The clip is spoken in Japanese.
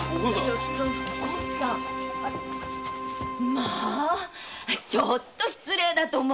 まぁちょっと失礼だと思わない？